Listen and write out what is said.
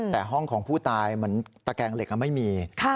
แต่ห้องของผู้ตายเหมือนตะแกงเหล็กไม่มี